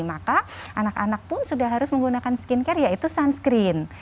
maka anak anak pun sudah harus menggunakan skincare yaitu sunscreen